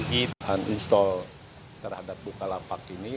kita akan install terhadap bukalapak ini